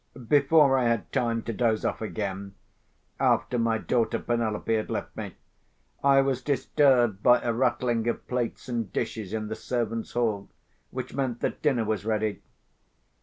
Before I had time to doze off again, after my daughter Penelope had left me, I was disturbed by a rattling of plates and dishes in the servants' hall, which meant that dinner was ready.